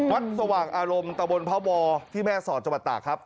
สว่างอารมณ์ตะบนพระบอที่แม่สอดจังหวัดตากครับ